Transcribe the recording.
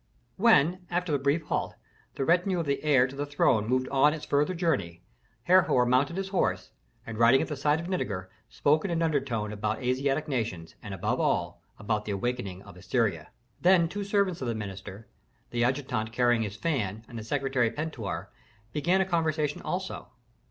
When, after the brief halt, the retinue of the heir to the throne moved on its farther journey, Herhor mounted his horse and riding at the side of Nitager, spoke in an undertone about Asiatic nations and, above all, about the awakening of Assyria. Then two servants of the minister, the adjutant carrying his fan and the secretary Pentuer, began a conversation also.